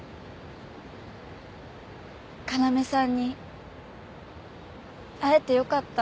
要さんに会えて良かった。